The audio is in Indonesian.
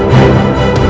aku mau pergi